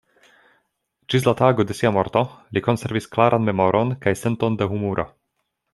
Ĝis la tago de sia morto li konservis klaran memoron kaj senton de humuro.